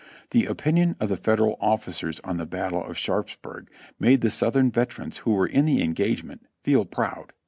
The opinion of the Federal officers on the battle of Sharpsburg made the Southern veterans who were in the engage ment feel proud.